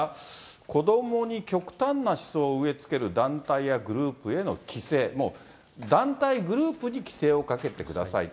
子どもに極端な思想を植えつける団体やグループへの規制、もう、団体、グループに規制をかけてくださいと。